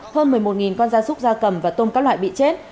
hơn một mươi một con da súc da cầm và tôm các loại bị chết